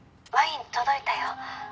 「ワイン届いたよ。